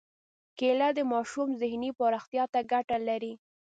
کېله د ماشوم ذهني پراختیا ته ګټه لري.